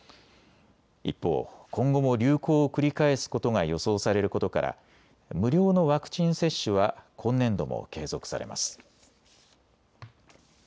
一方、今後も流行を繰り返すことが予想されることから無料のワクチン接種は今年度も継続されます。